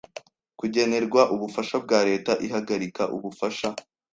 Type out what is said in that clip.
kugenerwa ubufasha bwa Leta ihagarika ubufasha